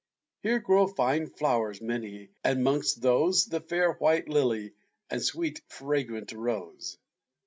Here grow fine flowers many, and 'mongst those, The fair white lily and sweet fragrant rose.